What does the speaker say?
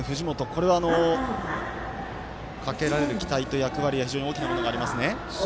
これはかけられる期待と役割は非常に大きなものがありますね。